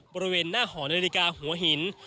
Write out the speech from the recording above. บริเวณหน้าหอนาฬิกาหัวหิน